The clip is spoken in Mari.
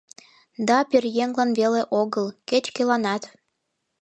Да пӧръеҥлан веле огыл, кеч-кӧланат.